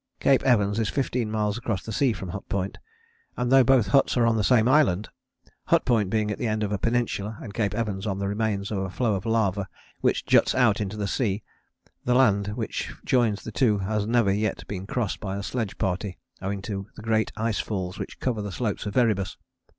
Cape Evans is fifteen miles across the sea from Hut Point, and though both huts are on the same island Hut Point being at the end of a peninsula and Cape Evans on the remains of a flow of lava which juts out into the sea the land which joins the two has never yet been crossed by a sledge party owing to the great ice falls which cover the slopes of Erebus.